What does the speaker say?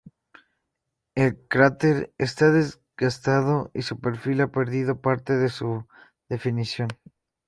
El cráter está desgastado, y su perfil ha perdido parte de su definición.